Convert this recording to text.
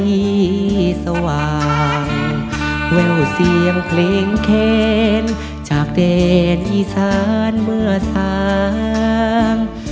ที่สว่างแววเสียงเพลงเคนจากแดนอีสานเมื่อสาง